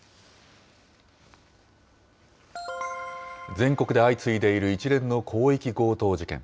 全国で相次いでいる一連の広域強盗事件。